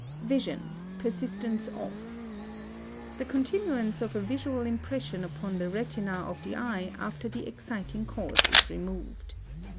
VISION, PERSISTENCE OF. The continuance of a visual impression upon the retina of the eye after the exciting cause is removed.